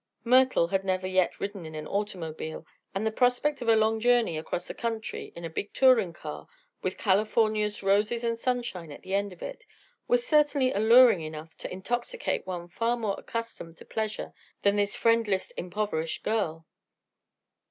Myrtle had never yet ridden in an automobile, and the prospect of a long journey across the country in a big touring car, with California's roses and sunshine at the end of it, was certainly alluring enough to intoxicate one far more accustomed to pleasure than this friendless, impoverished girl.